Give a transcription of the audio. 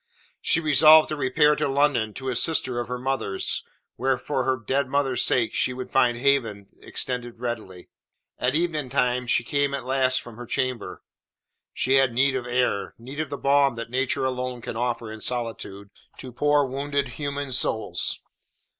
She resolved to repair to London to a sister of her mother's, where for her dead mother's sake she would find a haven extended readily. At eventide she came at last from her chamber. She had need of air, need of the balm that nature alone can offer in solitude to poor wounded human souls.